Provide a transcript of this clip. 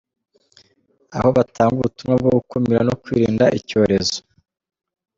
aho batanga ubutumwa bwo gukumira no kwirinda icyorezo